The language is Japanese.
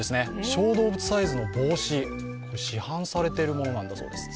小動物サイズの帽子、市販されているものなんだそうです。